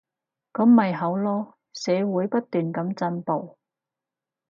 噉咪好囉，社會不斷噉進步